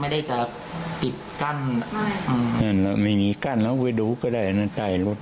ไม่ได้จะปิดกั้นอืมอืมแล้วไม่มีกั้นแล้วไปดูก็ได้อันตรายลด